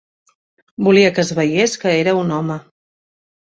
Volia que es veiés que era un home